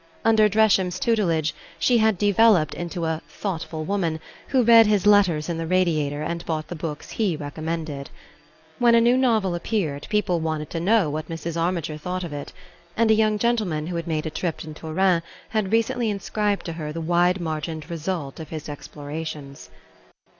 Under Dresham's tutelage she had developed into a "thoughtful woman," who read his leaders in the RADIATOR and bought the books he recommended. When a new novel appeared, people wanted to know what Mrs. Armiger thought of it; and a young gentleman who had made a trip in Touraine had recently inscribed to her the wide margined result of his explorations.